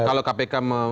kalau kpk mempertanyakan